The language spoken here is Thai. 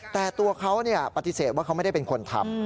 แต่ตัวเขาปฏิเสธว่าเขาไม่ได้เป็นคนทำ